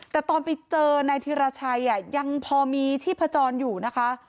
แต่ตอนไปเจอนายธิรชัยยังพอมีชีพจรอยู่นะคะ